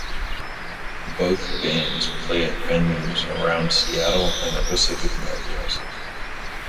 Both bands play at venues around Seattle and the Pacific Northwest.